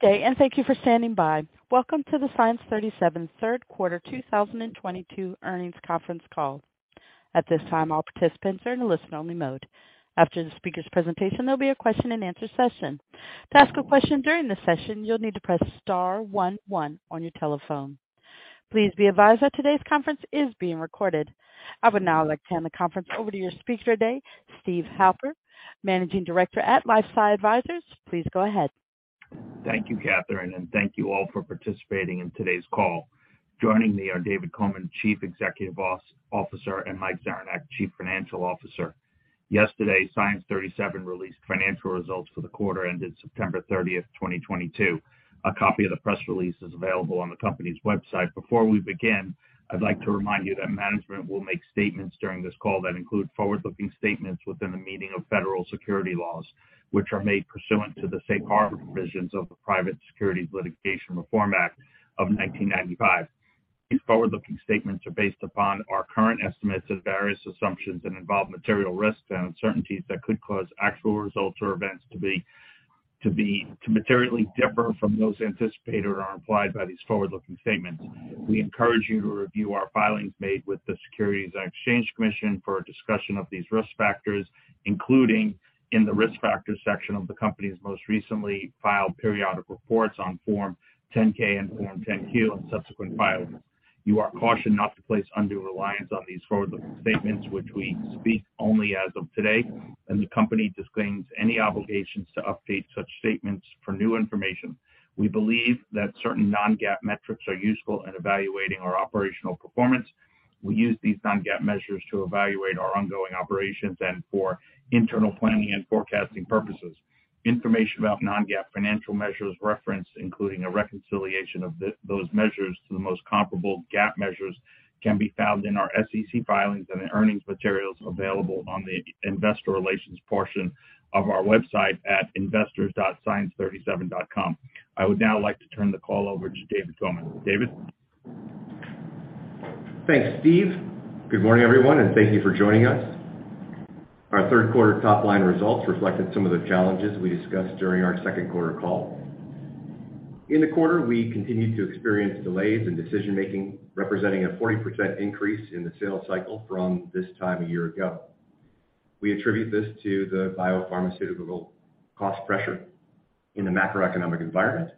Good day, and thank you for standing by. Welcome to the Science 37 third quarter 2022 earnings conference call. At this time, all participants are in a listen-only mode. After the speaker's presentation, there'll be a question-and-answer session. To ask a question during the session, you'll need to press star one one on your telephone. Please be advised that today's conference is being recorded. I would now like to hand the conference over to your speaker today, Steven Halper, Managing Director at LifeSci Advisors. Please go ahead. Thank you, Catherine, and thank you all for participating in today's call. Joining me are David Coman, Chief Executive Officer, and Mike Zaranek, Chief Financial Officer. Yesterday, Science 37 released financial results for the quarter ended September 30, 2022. A copy of the press release is available on the company's website. Before we begin, I'd like to remind you that management will make statements during this call that include forward-looking statements within the meaning of federal securities laws, which are made pursuant to the safe harbor provisions of the Private Securities Litigation Reform Act of 1995. These forward-looking statements are based upon our current estimates and various assumptions and involve material risks and uncertainties that could cause actual results or events to materially differ from those anticipated or implied by these forward-looking statements. We encourage you to review our filings made with the Securities and Exchange Commission for a discussion of these risk factors, including in the Risk Factors section of the company's most recently filed periodic reports on Form 10-K and Form 10-Q and subsequent filings. You are cautioned not to place undue reliance on these forward-looking statements, which we speak only as of today, and the company disclaims any obligations to update such statements for new information. We believe that certain non-GAAP metrics are useful in evaluating our operational performance. We use these non-GAAP measures to evaluate our ongoing operations and for internal planning and forecasting purposes. Information about non-GAAP financial measures referenced, including a reconciliation of those measures to the most comparable GAAP measures, can be found in our SEC filings and the earnings materials available on the investor relations portion of our website at investors.science37.com. I would now like to turn the call over to David Coman. David? Thanks, Steve. Good morning, everyone, and thank you for joining us. Our third quarter top-line results reflected some of the challenges we discussed during our second quarter call. In the quarter, we continued to experience delays in decision-making, representing a 40% increase in the sales cycle from this time a year ago. We attribute this to the biopharmaceutical cost pressure in the macroeconomic environment,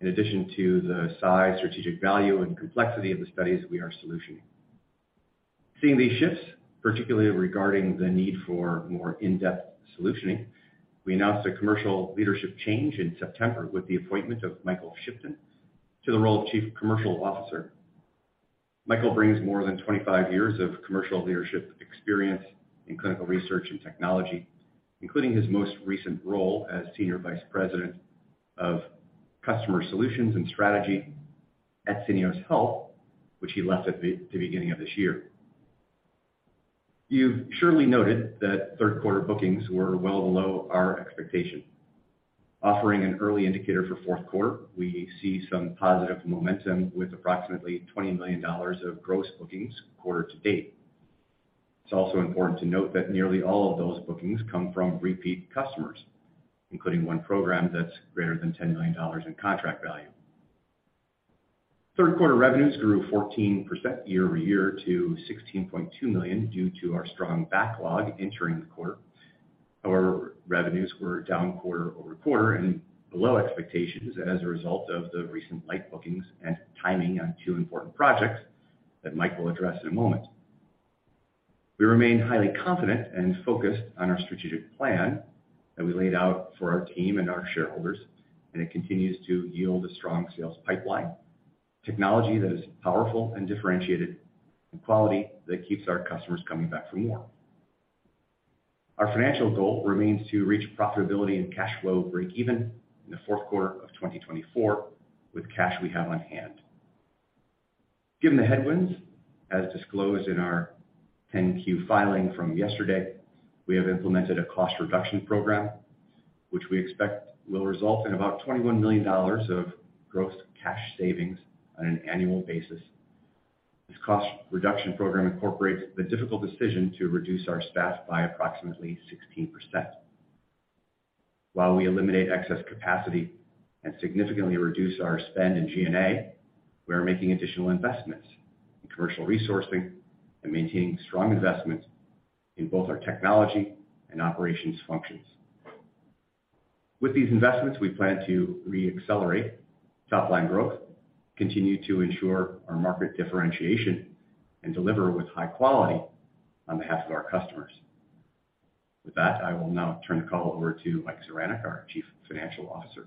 in addition to the size, strategic value, and complexity of the studies we are solutioning. Seeing these shifts, particularly regarding the need for more in-depth solutioning, we announced a commercial leadership change in September with the appointment of Michael Shipton to the role of Chief Commercial Officer. Michael brings more than 25 years of commercial leadership experience in clinical research and technology, including his most recent role as Senior Vice President of Customer Solutions and Strategy at Syneos Health, which he left at the beginning of this year. You've surely noted that third-quarter bookings were well below our expectation. Offering an early indicator for fourth quarter, we see some positive momentum with approximately $20 million of gross bookings quarter to date. It's also important to note that nearly all of those bookings come from repeat customers, including one program that's greater than $10 million in contract value. Third-quarter revenues grew 14% year-over-year to $16.2 million due to our strong backlog entering the quarter. However, revenues were down quarter-over-quarter and below expectations as a result of the recent light bookings and timing on two important projects that Mike will address in a moment. We remain highly confident and focused on our strategic plan that we laid out for our team and our shareholders, and it continues to yield a strong sales pipeline, technology that is powerful and differentiated, and quality that keeps our customers coming back for more. Our financial goal remains to reach profitability and cash flow breakeven in the fourth quarter of 2024 with cash we have on hand. Given the headwinds, as disclosed in our Form 10-Q filing from yesterday, we have implemented a cost reduction program which we expect will result in about $21 million of gross cash savings on an annual basis. This cost reduction program incorporates the difficult decision to reduce our staff by approximately 16%. While we eliminate excess capacity and significantly reduce our spend in G&A, we are making additional investments in commercial resourcing and maintaining strong investments in both our technology and operations functions. With these investments, we plan to re-accelerate top-line growth, continue to ensure our market differentiation, and deliver with high quality on behalf of our customers. With that, I will now turn the call over to Mike Zaranek, our Chief Financial Officer,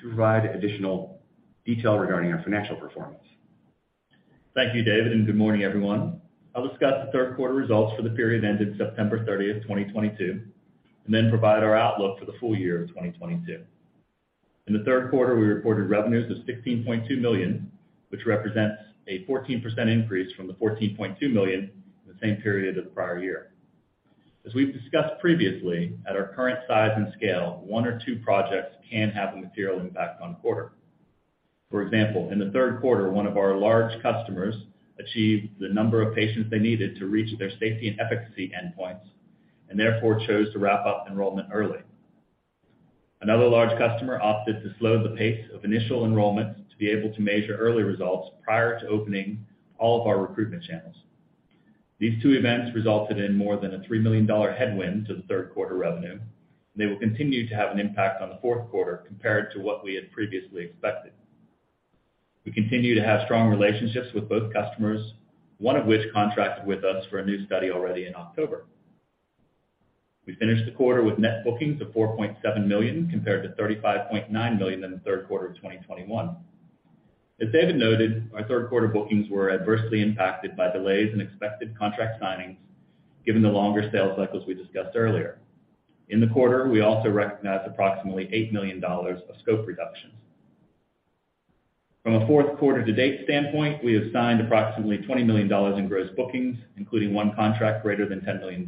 to provide additional detail regarding our financial performance. Thank you, David, and good morning, everyone. I'll discuss the third quarter results for the period ended September 30, 2022, and then provide our outlook for the full year of 2022. In the third quarter, we reported revenues of $16.2 million, which represents a 14% increase from the $14.2 million in the same period of the prior year. As we've discussed previously, at our current size and scale, one or two projects can have a material impact on quarter. For example, in the third quarter, one of our large customers achieved the number of patients they needed to reach their safety and efficacy endpoints and therefore chose to wrap up enrollment early. Another large customer opted to slow the pace of initial enrollments to be able to measure early results prior to opening all of our recruitment channels. These two events resulted in more than a $3 million headwind to the third quarter revenue. They will continue to have an impact on the fourth quarter compared to what we had previously expected. We continue to have strong relationships with both customers, one of which contracted with us for a new study already in October. We finished the quarter with net bookings of $4.7 million compared to $35.9 million in the third quarter of 2021. As David noted, our third quarter bookings were adversely impacted by delays in expected contract signings given the longer sales cycles we discussed earlier. In the quarter, we also recognized approximately $8 million of scope reductions. From a fourth quarter to date standpoint, we have signed approximately $20 million in gross bookings, including one contract greater than $10 million.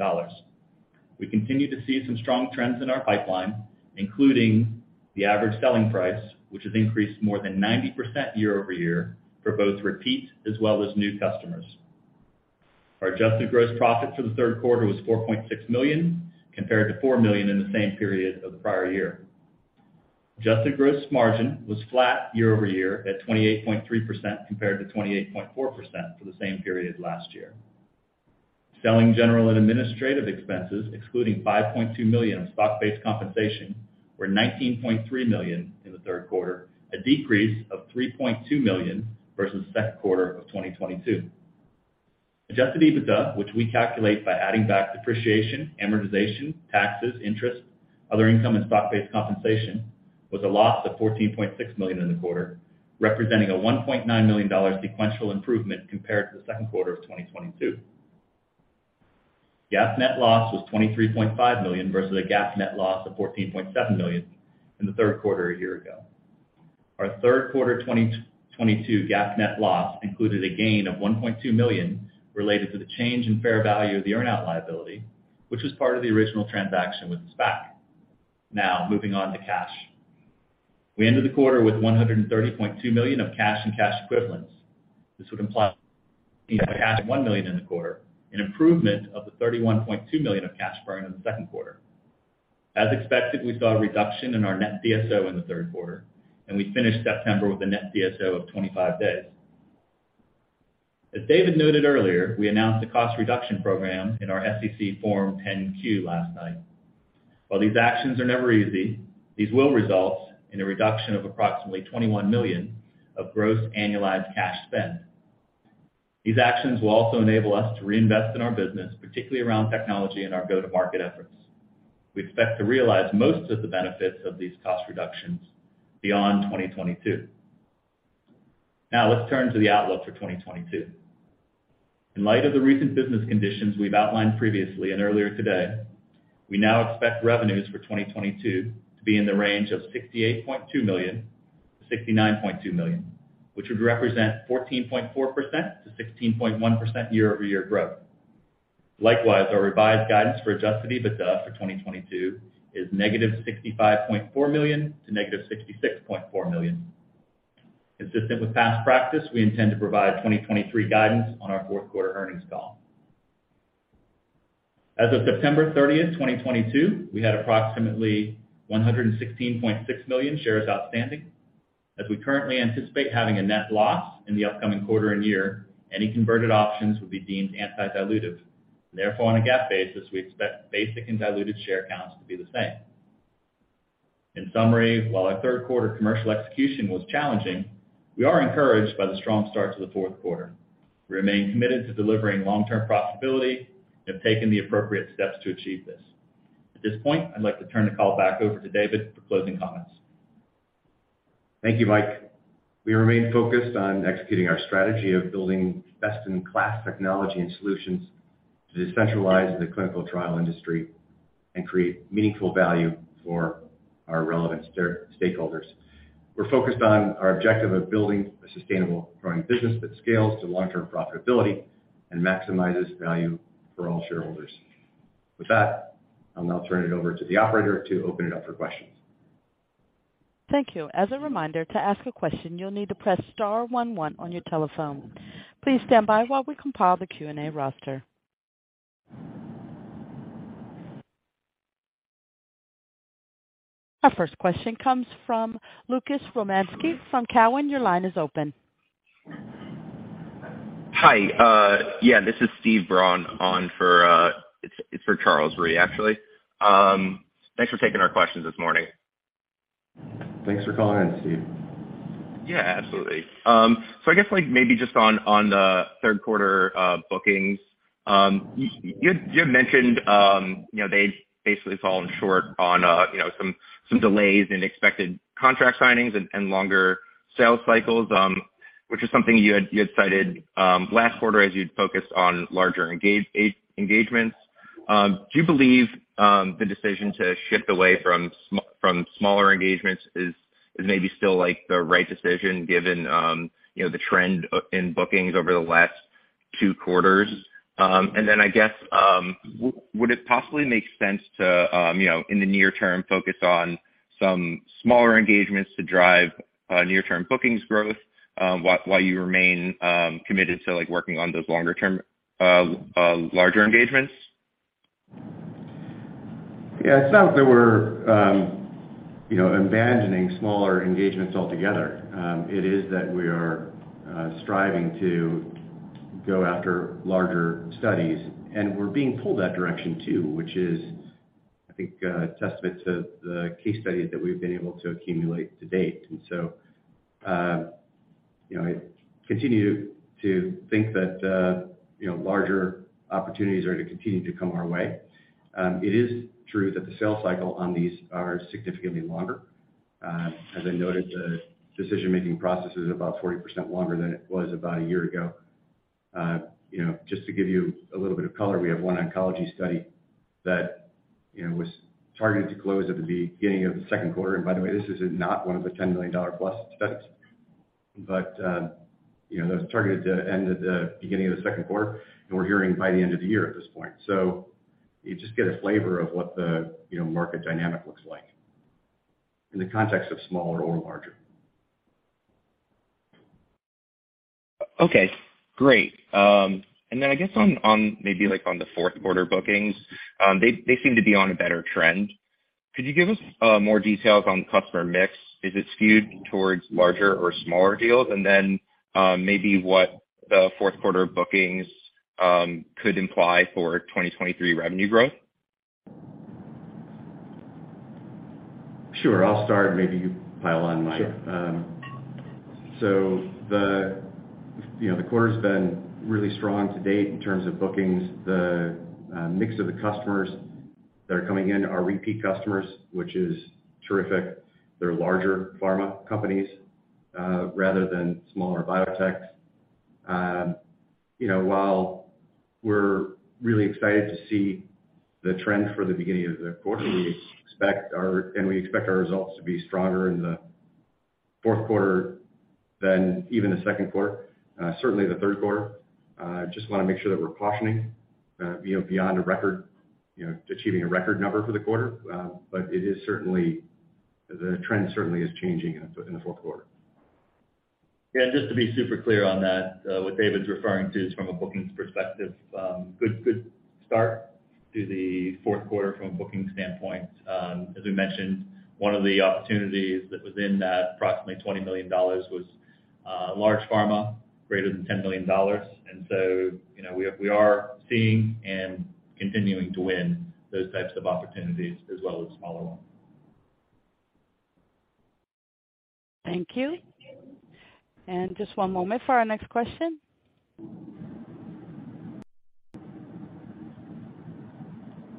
We continue to see some strong trends in our pipeline, including the average selling price, which has increased more than 90% year over year for both repeat as well as new customers. Our adjusted gross profit for the third quarter was $4.6 million compared to $4 million in the same period of the prior year. Adjusted gross margin was flat year over year at 28.3% compared to 28.4% for the same period last year. Selling, general and administrative expenses, excluding $5.2 million of stock-based compensation, were $19.3 million in the third quarter, a decrease of $3.2 million versus second quarter of 2022. Adjusted EBITDA, which we calculate by adding back depreciation, amortization, taxes, interest, other income, and stock-based compensation, was a loss of $14.6 million in the quarter, representing a $1.9 million sequential improvement compared to the second quarter of 2022. GAAP net loss was $23.5 million versus a GAAP net loss of $14.7 million in the third quarter a year ago. Our third quarter 2022 GAAP net loss included a gain of $1.2 million related to the change in fair value of the earn-out liability, which was part of the original transaction with the SPAC. Now moving on to cash. We ended the quarter with $130.2 million of cash and cash equivalents. This would imply cash burn of $1 million in the quarter, an improvement over the $31.2 million of cash burn in the second quarter. As expected, we saw a reduction in our net DSO in the third quarter, and we finished September with a net DSO of 25 days. As David noted earlier, we announced a cost reduction program in our SEC Form 10-Q last night. While these actions are never easy, these will result in a reduction of approximately $21 million of gross annualized cash spend. These actions will also enable us to reinvest in our business, particularly around technology and our go-to-market efforts. We expect to realize most of the benefits of these cost reductions beyond 2022. Now let's turn to the outlook for 2022. In light of the recent business conditions we've outlined previously and earlier today, we now expect revenues for 2022 to be in the range of $68.2 million-$69.2 million, which would represent 14.4%-16.1% year-over-year growth. Likewise, our revised guidance for adjusted EBITDA for 2022 is -$65.4 million-$66.4 million. Consistent with past practice, we intend to provide 2023 guidance on our fourth quarter earnings call. As of September 30th, 2022, we had approximately 116.6 million shares outstanding. As we currently anticipate having a net loss in the upcoming quarter and year, any converted options would be deemed anti-dilutive. Therefore, on a GAAP basis, we expect basic and diluted share counts to be the same. In summary, while our third quarter commercial execution was challenging, we are encouraged by the strong start to the fourth quarter. We remain committed to delivering long-term profitability and have taken the appropriate steps to achieve this. At this point, I'd like to turn the call back over to David for closing comments. Thank you, Mike. We remain focused on executing our strategy of building best-in-class technology and solutions to decentralize the clinical trial industry and create meaningful value for our relevant stakeholders. We're focused on our objective of building a sustainable growing business that scales to long-term profitability and maximizes value for all shareholders. With that, I'll now turn it over to the operator to open it up for questions. Thank you. As a reminder, to ask a question, you'll need to press star one one on your telephone. Please stand by while we compile the Q&A roster. Our first question comes from Lucas Romanski from Cowen. Your line is open. Hi. Yeah, this is Steve Braun on for. It's for Charles Rhyee, actually. Thanks for taking our questions this morning. Thanks for calling in, Steve. Yeah, absolutely. I guess, like, maybe just on the third quarter bookings, you had mentioned, you know, they basically fell short on, you know, some delays in expected contract signings and longer sales cycles, which is something you had cited last quarter as you'd focused on larger engagements. Do you believe the decision to shift away from smaller engagements is maybe still, like, the right decision given, you know, the trend in bookings over the last two quarters? I guess, would it possibly make sense to, you know, in the near term, focus on some smaller engagements to drive near-term bookings growth, while you remain committed to, like, working on those longer-term larger engagements? Yeah, it's not that we're, you know, abandoning smaller engagements altogether. It is that we are striving to go after larger studies, and we're being pulled that direction too, which is, I think, a testament to the case studies that we've been able to accumulate to date. You know, I continue to think that, you know, larger opportunities are to continue to come our way. It is true that the sales cycle on these are significantly longer. As I noted, the decision-making process is about 40% longer than it was about a year ago. You know, just to give you a little bit of color, we have one oncology study that, you know, was targeted to close at the beginning of the second quarter. By the way, this is not one of the $10 million+ studies. You know, that was targeted at end of the beginning of the second quarter, and we're hearing by the end of the year at this point. You just get a flavor of what the, you know, market dynamic looks like in the context of smaller or larger. Okay, great. Then I guess on maybe like on the fourth quarter bookings, they seem to be on a better trend. Could you give us more details on customer mix? Is it skewed towards larger or smaller deals? Then maybe what the fourth quarter bookings could imply for 2023 revenue growth. Sure. I'll start, and maybe you pile on, Mike. Sure. The quarter's been really strong to date in terms of bookings. The mix of the customers that are coming in are repeat customers, which is terrific. They're larger pharma companies rather than smaller biotechs. You know, while we're really excited to see the trends for the beginning of the quarter, we expect our results to be stronger in the fourth quarter than even the second quarter, certainly the third quarter. Just wanna make sure that we're cautioning, you know, beyond a record, you know, achieving a record number for the quarter. The trend certainly is changing in the fourth quarter. Yeah, just to be super clear on that, what David's referring to is from a bookings perspective, good start to the fourth quarter from a booking standpoint. As we mentioned, one of the opportunities that was in that approximately $20 million was large pharma, greater than $10 million. You know, we are seeing and continuing to win those types of opportunities as well as smaller ones. Thank you. Just one moment for our next question.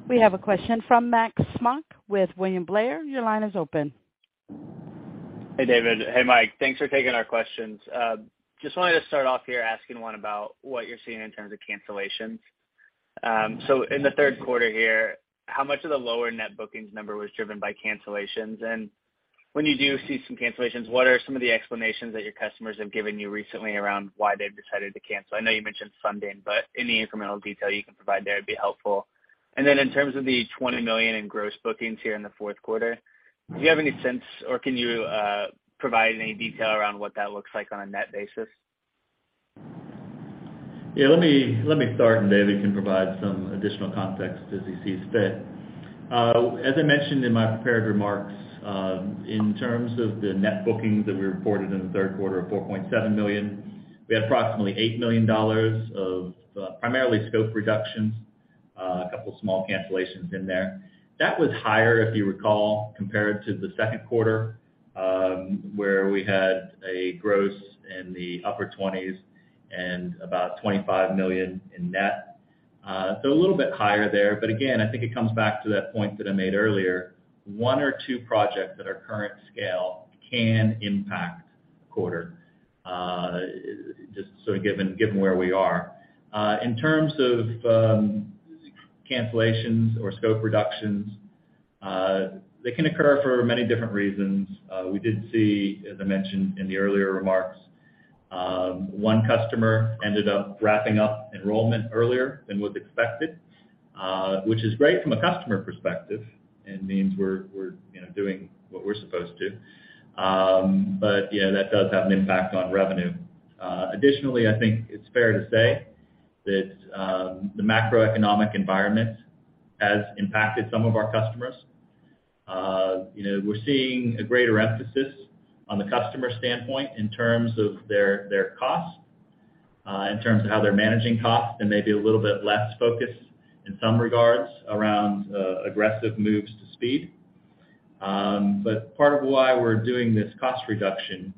We have a question from Max Smock with William Blair. Your line is open. Hey, David. Hey, Mike. Thanks for taking our questions. Just wanted to start off here asking one about what you're seeing in terms of cancellations. So in the third quarter here, how much of the lower net bookings number was driven by cancellations? And when you do see some cancellations, what are some of the explanations that your customers have given you recently around why they've decided to cancel? I know you mentioned funding, but any incremental detail you can provide there would be helpful. And then in terms of the $20 million in gross bookings here in the fourth quarter, do you have any sense, or can you provide any detail around what that looks like on a net basis? Let me start, and David can provide some additional context as he sees fit. As I mentioned in my prepared remarks, in terms of the net bookings that we reported in the third quarter of $4.7 million, we had approximately $8 million of primarily scope reductions, a couple small cancellations in there. That was higher, if you recall, compared to the second quarter, where we had a gross in the upper 20s and about $25 million in net. So a little bit higher there, but again, I think it comes back to that point that I made earlier. One or two projects at our current scale can impact the quarter just so given where we are. In terms of cancellations or scope reductions, they can occur for many different reasons. We did see, as I mentioned in the earlier remarks, one customer ended up wrapping up enrollment earlier than was expected, which is great from a customer perspective and means we're, you know, doing what we're supposed to. Yeah, that does have an impact on revenue. Additionally, I think it's fair to say that the macroeconomic environment has impacted some of our customers. You know, we're seeing a greater emphasis on the customer standpoint in terms of their costs, in terms of how they're managing costs and maybe a little bit less focus in some regards around aggressive moves to speed. Part of why we're doing this cost reduction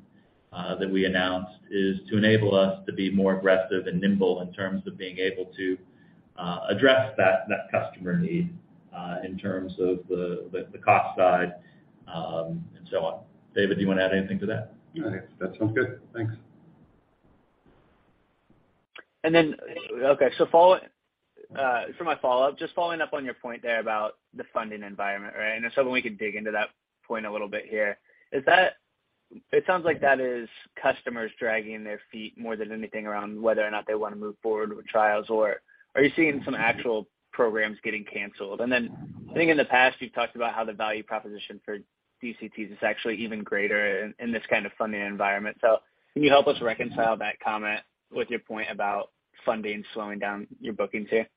that we announced is to enable us to be more aggressive and nimble in terms of being able to address that customer need in terms of the cost side, and so on. David, do you wanna add anything to that? No, I think that sounds good. Thanks. For my follow-up, just following up on your point there about the funding environment, right? If so, we can dig into that point a little bit here. It sounds like that is customers dragging their feet more than anything around whether or not they wanna move forward with trials. Or are you seeing some actual programs getting canceled? I think in the past, you've talked about how the value proposition for DCTs is actually even greater in this kind of funding environment. Can you help us reconcile that comment with your point about funding slowing down your bookings here?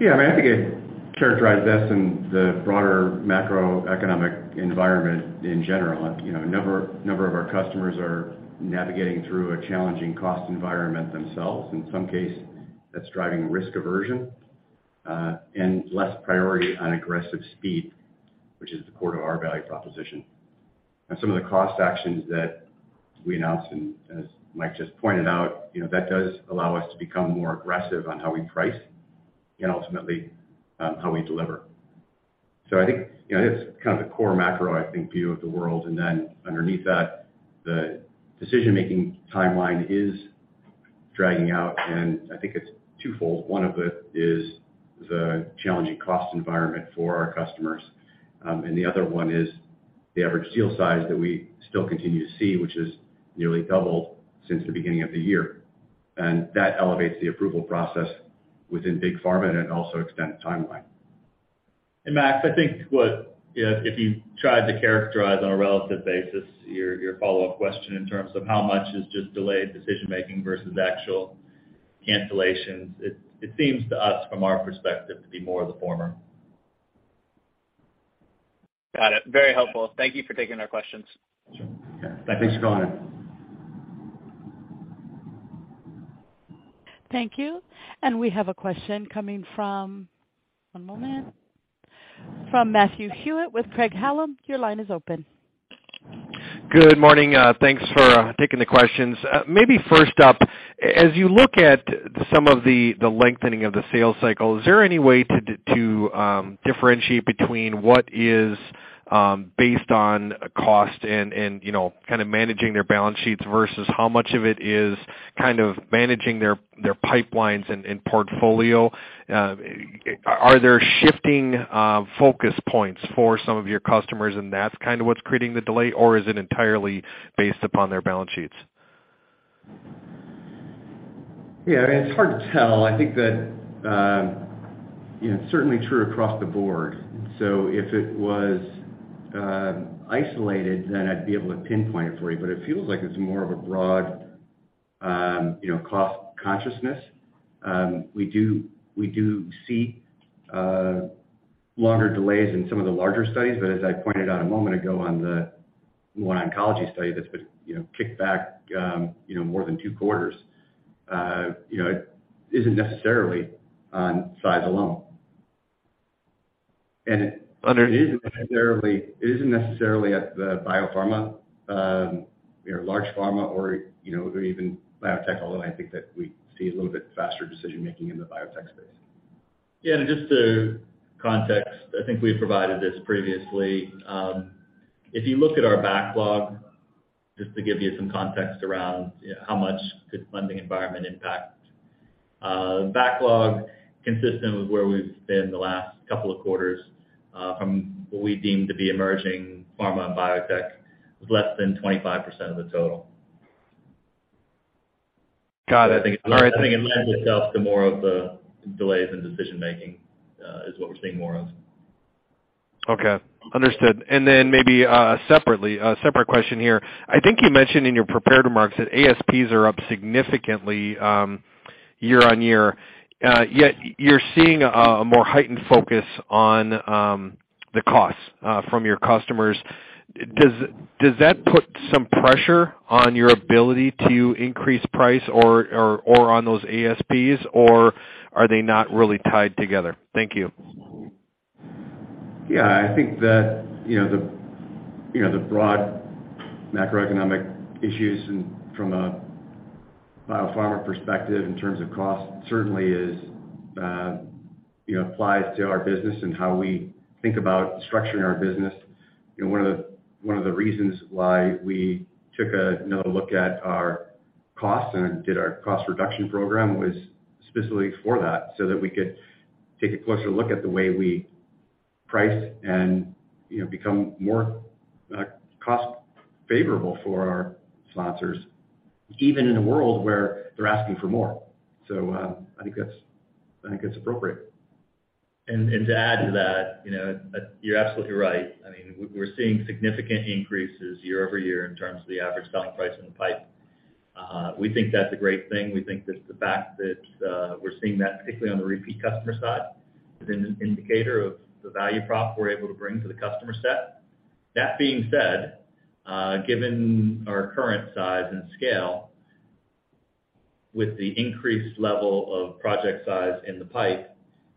Yeah. I mean, I think it characterized this in the broader macroeconomic environment in general. You know, a number of our customers are navigating through a challenging cost environment themselves. In some case, that's driving risk aversion and less priority on aggressive speed, which is the core to our value proposition. Some of the cost actions that we announced, and as Mike just pointed out, you know, that does allow us to become more aggressive on how we price and ultimately how we deliver. I think, you know, it's kind of the core macro, I think, view of the world. Then underneath that, the decision-making timeline is dragging out, and I think it's twofold. One of it is the challenging cost environment for our customers, and the other one is the average deal size that we still continue to see, which has nearly doubled since the beginning of the year. That elevates the approval process within big pharma, and it also extends the timeline. Max, I think you know, if you tried to characterize on a relative basis your follow-up question in terms of how much is just delayed decision-making versus actual cancellations, it seems to us from our perspective to be more of the former. Got it. Very helpful. Thank you for taking our questions. Sure. Yeah. Thanks for calling in. Thank you. We have a question coming from. One moment. From Matthew Hewitt with Craig-Hallum. Your line is open. Good morning. Thanks for taking the questions. Maybe first up, as you look at some of the lengthening of the sales cycle, is there any way to differentiate between what is based on cost and, you know, kinda managing their balance sheets versus how much of it is kind of managing their pipelines and portfolio? Are there shifting focus points for some of your customers and that's kinda what's creating the delay, or is it entirely based upon their balance sheets? Yeah. I mean, it's hard to tell. I think that, you know, it's certainly true across the board. If it was isolated, then I'd be able to pinpoint it for you, but it feels like it's more of a broad, you know, cost consciousness. We do see longer delays in some of the larger studies, but as I pointed out a moment ago on the one oncology study that's been, you know, kicked back, you know, more than two quarters, you know, it isn't necessarily on size alone. It isn't necessarily at the biopharma, you know, large pharma or, you know, or even biotech, although I think that we see a little bit faster decision-making in the biotech space. Yeah, just for context, I think we've provided this previously. If you look at our backlog, just to give you some context around how much could funding environment impact. Backlog consistent with where we've been the last couple of quarters, from what we deem to be emerging pharma and biotech, was less than 25% of the total. Got it. All right. I think it lends itself to more of the delays in decision-making, is what we're seeing more of. Okay. Understood. Maybe, separately, a separate question here. I think you mentioned in your prepared remarks that ASPs are up significantly year-on-year. Yet you're seeing a more heightened focus on the costs from your customers. Does that put some pressure on your ability to increase price or on those ASPs, or are they not really tied together? Thank you. Yeah. I think that, you know, the broad macroeconomic issues from a biopharma perspective in terms of cost certainly is, you know, applies to our business and how we think about structuring our business. You know, one of the reasons why we took another look at our costs and did our cost reduction program was specifically for that, so that we could take a closer look at the way we price and, you know, become more cost favorable for our sponsors, even in a world where they're asking for more. I think it's appropriate. To add to that, you know, you're absolutely right. I mean, we're seeing significant increases year-over-year in terms of the average selling price in the pipe. We think that's a great thing. We think that the fact that we're seeing that particularly on the repeat customer side is an indicator of the value prop we're able to bring to the customer set. That being said, given our current size and scale, with the increased level of project size in the pipe,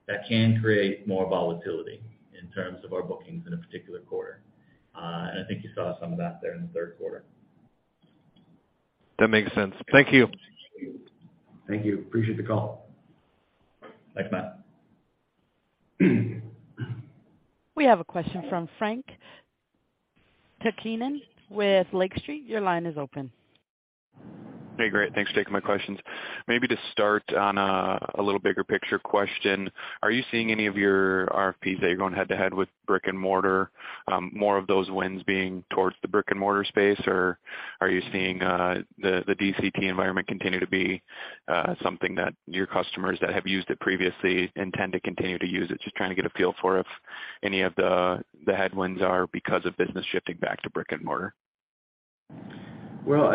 that can create more volatility in terms of our bookings in a particular quarter. I think you saw some of that there in the third quarter. That makes sense. Thank you. Thank you. Appreciate the call. Thanks, Matt. We have a question from Frank Takkinen with Lake Street. Your line is open. Hey, great. Thanks for taking my questions. Maybe to start on a little bigger picture question, are you seeing any of your RFPs that you're going head to head with brick-and-mortar, more of those wins being towards the brick-and-mortar space? Or are you seeing the DCT environment continue to be something that your customers that have used it previously intend to continue to use it? Just trying to get a feel for if any of the headwinds are because of business shifting back to brick-and-mortar. Well,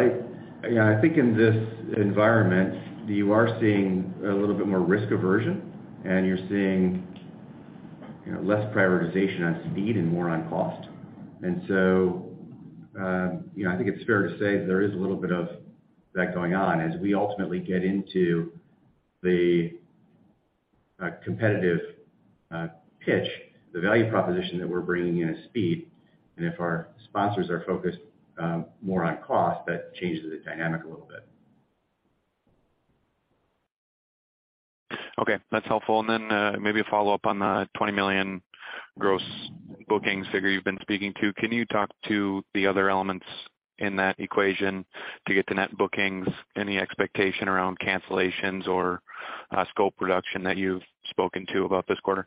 yeah, I think in this environment, you are seeing a little bit more risk aversion, and you're seeing, you know, less prioritization on speed and more on cost. You know, I think it's fair to say there is a little bit of that going on as we ultimately get into the competitive pitch. The value proposition that we're bringing in is speed. If our sponsors are focused more on cost, that changes the dynamic a little bit. Okay, that's helpful. Maybe a follow-up on the $20 million gross bookings figure you've been speaking to. Can you talk to the other elements in that equation to get to net bookings? Any expectation around cancellations or scope reduction that you've spoken to about this quarter?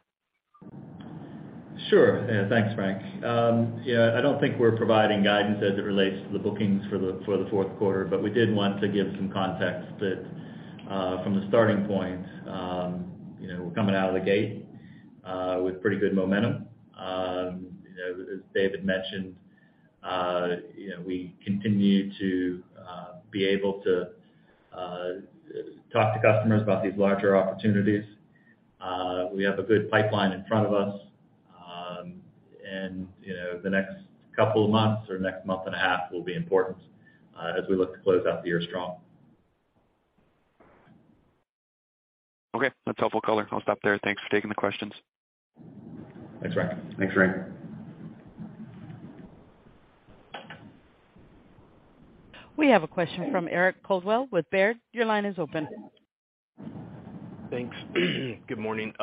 Sure. Yeah, thanks, Frank. Yeah, I don't think we're providing guidance as it relates to the bookings for the fourth quarter, but we did want to give some context that from the starting point, you know, we're coming out of the gate with pretty good momentum. You know, as David mentioned, you know, we continue to be able to talk to customers about these larger opportunities. We have a good pipeline in front of us. And you know, the next couple of months or next month and a half will be important as we look to close out the year strong. Okay, that's helpful color. I'll stop there. Thanks for taking the questions. Thanks, Frank. Thanks, Frank. We have a question from Eric Coldwell with Baird. Your line is open. Thanks. Good morning.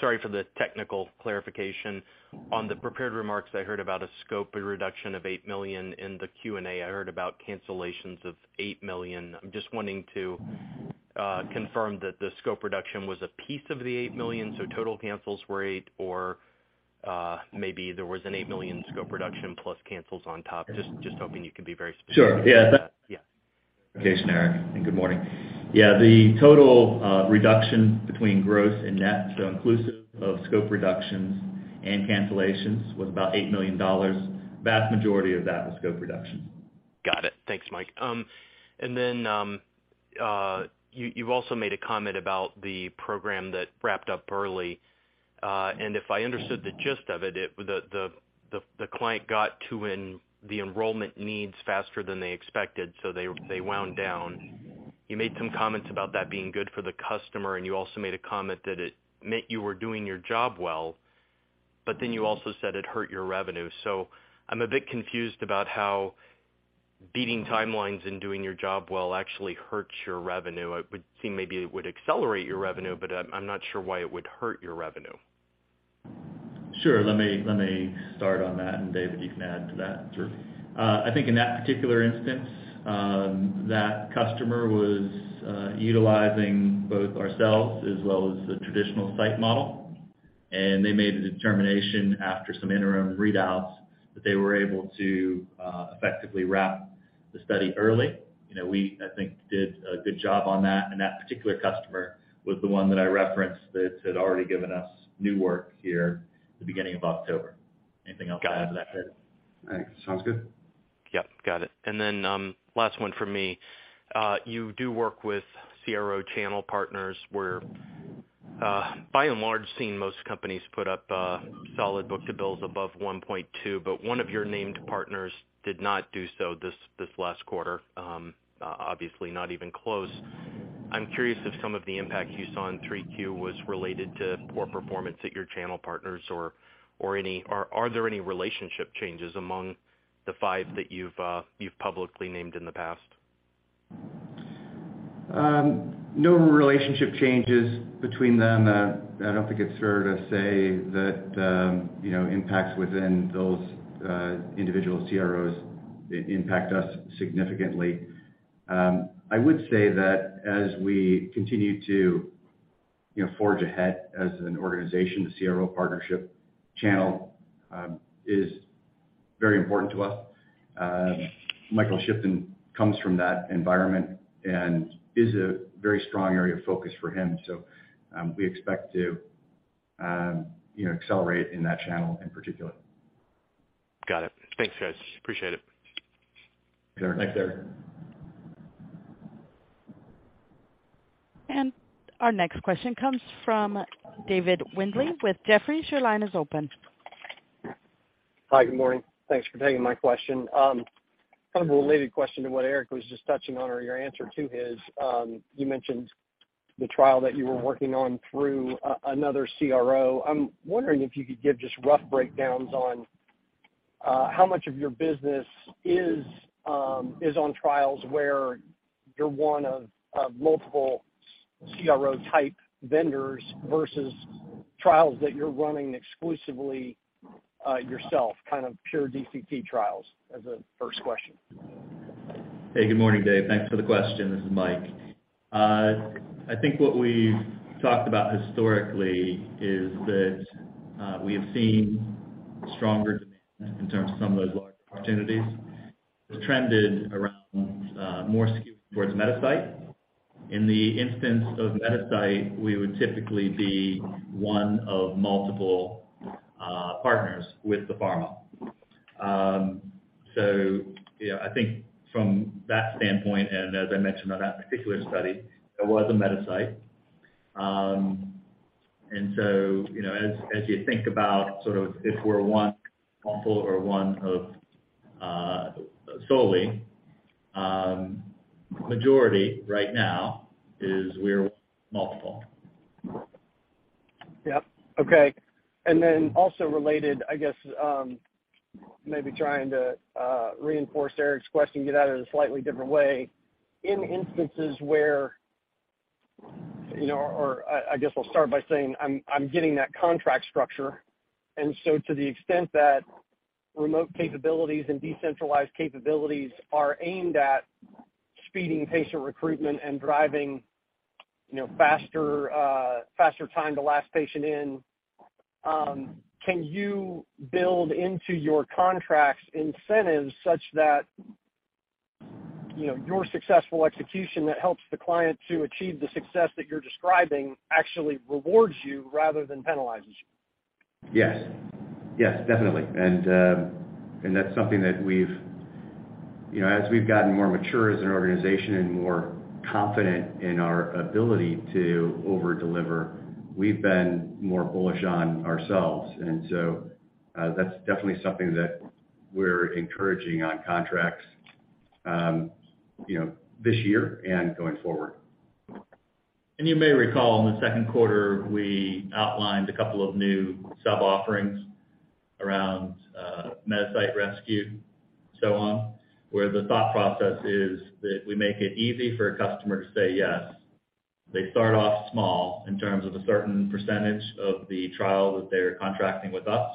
Sorry for the technical clarification. On the prepared remarks, I heard about a scope reduction of $8 million. In the Q&A, I heard about cancellations of $8 million. I'm just wanting to confirm that the scope reduction was a piece of the $8 million, so total cancels were $8 million, or maybe there was a $8 million scope reduction plus cancels on top. Just hoping you could be very specific. Sure. Yeah. Yeah. Okay, Eric, good morning. Yeah, the total reduction between gross and net, so inclusive of scope reductions and cancellations, was about $8 million. Vast majority of that was scope reductions. Got it. Thanks, Mike. You also made a comment about the program that wrapped up early. If I understood the gist of it, the client got to the enrollment needs faster than they expected, so they wound down. You made some comments about that being good for the customer, and you also made a comment that it meant you were doing your job well, but then you also said it hurt your revenue. I'm a bit confused about how beating timelines and doing your job well actually hurts your revenue. It would seem maybe it would accelerate your revenue, but I'm not sure why it would hurt your revenue. Sure. Let me start on that, and David, you can add to that. Sure. I think in that particular instance, that customer was utilizing both ourselves as well as the traditional site model, and they made a determination after some interim readouts that they were able to effectively wrap the study early. You know, we, I think, did a good job on that, and that particular customer was the one that I referenced that had already given us new work here at the beginning of October. Anything else to add to that, David? I think sounds good. Yep, got it. Last one from me. You do work with CRO channel partners where, by and large, we've seen most companies put up a solid book-to-bill above 1.2, but one of your named partners did not do so this last quarter, obviously not even close. I'm curious if some of the impact you saw in 3Q was related to poor performance at your channel partners or any relationship changes among the five that you've publicly named in the past? No relationship changes between them. I don't think it's fair to say that, you know, impacts within those individual CROs impact us significantly. I would say that as we continue to, you know, forge ahead as an organization, the CRO partnership channel is very important to us. Michael Shipton comes from that environment and is a very strong area of focus for him. We expect to, you know, accelerate in that channel in particular. Got it. Thanks, guys. Appreciate it. Sure. Thanks, Eric. Our next question comes from David Windley with Jefferies. Your line is open. Hi. Good morning. Thanks for taking my question. Kind of a related question to what Eric was just touching on or your answer to his. You mentioned the trial that you were working on through another CRO. I'm wondering if you could give just rough breakdowns on how much of your business is on trials where you're one of multiple CRO-type vendors versus trials that you're running exclusively yourself, kind of pure DCT trials as a first question. Hey, good morning, Dave. Thanks for the question. This is Mike. I think what we've talked about historically is that we have seen stronger demand in terms of some of those large opportunities. It's trended around more skewed towards Metasite. In the instance of Metasite, we would typically be one of multiple partners with the pharma. You know, I think from that standpoint, and as I mentioned on that particular study, it was a Metasite. You know, as you think about sort of if we're one or one of solely, majority right now is we're multiple. Yep. Okay. Also related, I guess, maybe trying to reinforce Eric's question, get at it a slightly different way. In instances where, you know. I guess I'll start by saying I'm getting that contract structure. To the extent that remote capabilities and decentralized capabilities are aimed at speeding patient recruitment and driving, you know, faster time to last patient in, can you build into your contracts incentives such that, you know, your successful execution that helps the client to achieve the success that you're describing actually rewards you rather than penalizes you? Yes. Yes, definitely. That's something that we've, you know, as we've gotten more mature as an organization and more confident in our ability to over-deliver, we've been more bullish on ourselves. That's definitely something that we're encouraging on contracts, you know, this year and going forward. You may recall in the second quarter, we outlined a couple of new sub-offerings around Metasite Rescue and so on, where the thought process is that we make it easy for a customer to say yes. They start off small in terms of a certain percentage of the trial that they're contracting with us.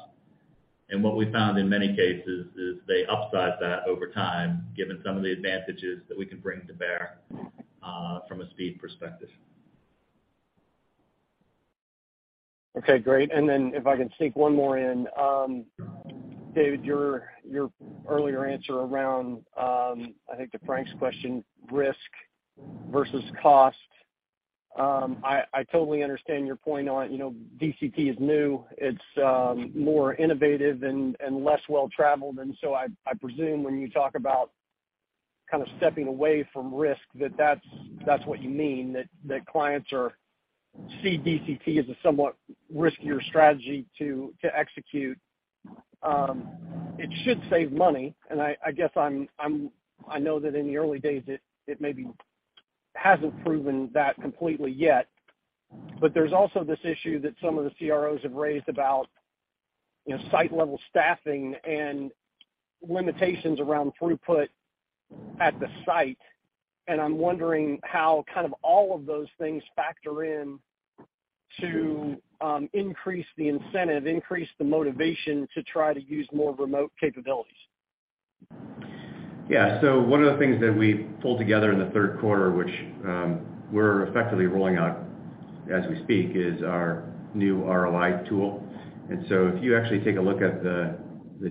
What we found in many cases is they upsize that over time, given some of the advantages that we can bring to bear, from a speed perspective. Okay, great. If I can sneak one more in. David, your earlier answer around, I think to Frank's question, risk versus cost. I totally understand your point on, you know, DCT is new, it's more innovative and less well-traveled. I presume when you talk about kind of stepping away from risk, that that's what you mean, that clients see DCT as a somewhat riskier strategy to execute. It should save money, and I guess I know that in the early days it maybe hasn't proven that completely yet. There's also this issue that some of the CROs have raised about, you know, site-level staffing and limitations around throughput at the site. I'm wondering how kind of all of those things factor in to increase the incentive, increase the motivation to try to use more remote capabilities. Yeah. One of the things that we pulled together in the third quarter, which, we're effectively rolling out as we speak, is our new ROI tool. If you actually take a look at the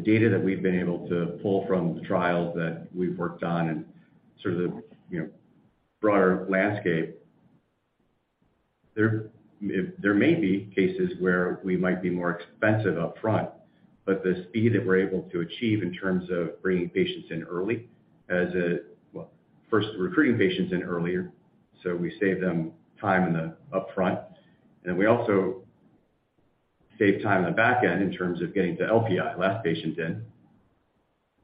data that we've been able to pull from the trials that we've worked on and sort of the, you know, broader landscape, there may be cases where we might be more expensive up front, but the speed that we're able to achieve in terms of bringing patients in early. Well, first recruiting patients in earlier, so we save them time in the up front. Then we also save time on the back end in terms of getting the LPI, last patient in,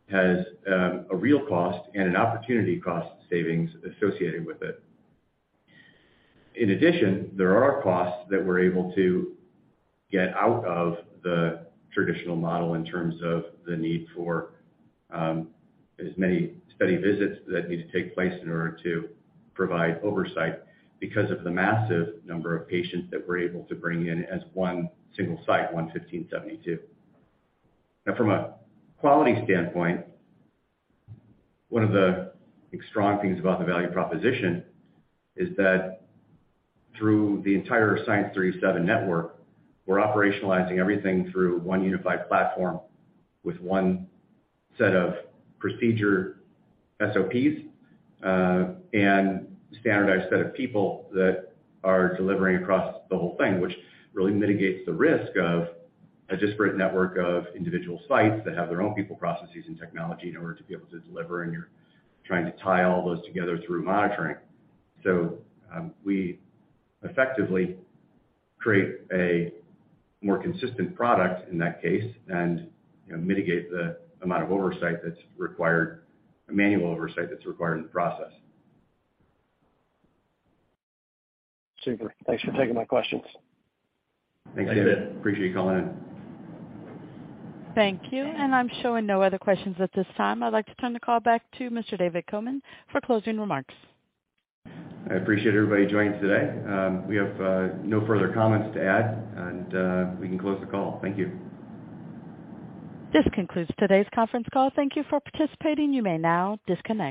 has a real cost and an opportunity cost savings associated with it. In addition, there are costs that we're able to get out of the traditional model in terms of the need for as many study visits that need to take place in order to provide oversight because of the massive number of patients that we're able to bring in as one single site, Form FDA 1572. Now from a quality standpoint, one of the strong things about the value proposition is that through the entire Science 37 network, we're operationalizing everything through one unified platform with one set of procedure SOPs and standardized set of people that are delivering across the whole thing, which really mitigates the risk of a disparate network of individual sites that have their own people, processes, and technology in order to be able to deliver, and you're trying to tie all those together through monitoring. We effectively create a more consistent product in that case and, you know, mitigate the amount of oversight that's required, manual oversight that's required in the process. Super. Thanks for taking my questions. Thanks, David. Appreciate you calling in. Thank you. I'm showing no other questions at this time. I'd like to turn the call back to Mr. David Coman for closing remarks. I appreciate everybody joining us today. We have no further comments to add and we can close the call. Thank you. This concludes today's conference call. Thank you for participating. You may now disconnect.